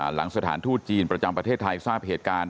หลังสถานทูตจีนประจำประเทศไทยทราบเหตุการณ์